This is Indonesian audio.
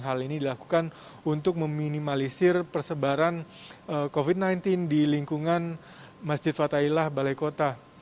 hal ini dilakukan untuk meminimalisir persebaran covid sembilan belas di lingkungan masjid fataillah balai kota